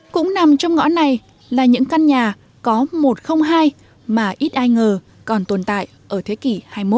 cũng nằm trong ngõ này là những căn nhà có một không hai mà ít ai ngờ còn tồn tại ở thế kỷ hai mươi một